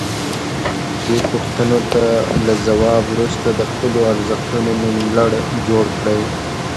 دې پوښتنو ته له ځواب وروسته د خپلو ارزښتونو نوملړ جوړ کړئ.